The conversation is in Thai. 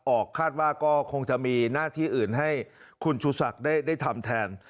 คาดว่าก็คงจะมีหน้าที่อื่นให้คุณชูศักดิ์ได้ทำแทน